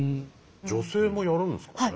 女性もやるんですかね。